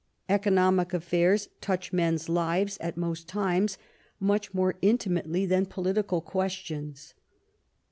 Economic affairs touch men's lives, at most times, much more intimately than political questions.